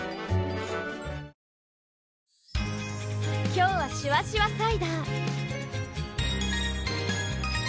今日はシュワシュワサイダー！